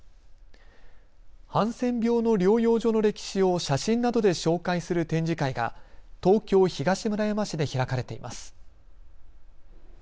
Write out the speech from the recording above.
ハンセン病の療養所の歴史を写真などで紹介する展示会が東京東村山市で開かれています。